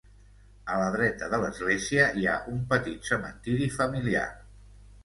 A la dreta de l'església hi ha un petit cementiri familiar.